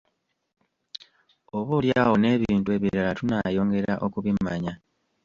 Oboolyawo n’ebintu ebirala tunayongera okubimanya.